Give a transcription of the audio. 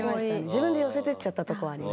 自分で寄せていっちゃったとこはありました。